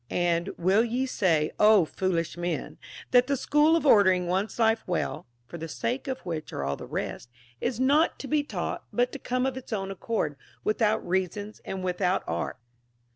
And will ye say, Ο foolish men ! that the skill of ordering one's life well (for the sake of which are all the rest) is not to be taught, but to come of its own accord, without reason and without art